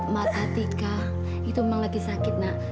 mata tika itu memang lagi sakit nak